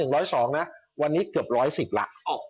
๑๐๐ร้อย๑๑๐๒นะวันนี้เกือบร้อย๑๐ละ